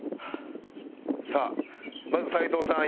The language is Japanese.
さあまず斎藤さん